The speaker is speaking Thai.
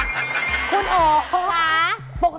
คุณโอคุณค่า